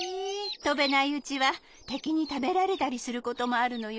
とべないうちはてきにたべられたりすることもあるのよ。